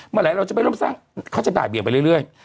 เมื่อไหร่เราจะไปร่วมสร้างเขาจะบ่ายเบี่ยงไปเรื่อย